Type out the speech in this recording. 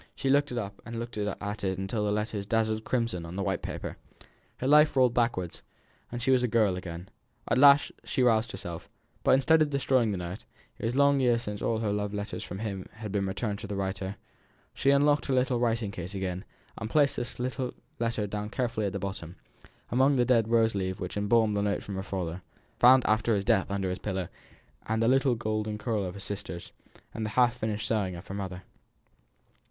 She took it up and looked at it till the letters dazzled crimson on the white paper. Her life rolled backwards, and she was a girl again. At last she roused herself; but instead of destroying the note it was long years since all her love letters from him had been returned to the writer she unlocked her little writing case again, and placed this letter carefully down at the bottom, among the dead rose leaves which embalmed the note from her father, found after his death under his pillow, the little golden curl of her sister's, the half finished sewing of her mother.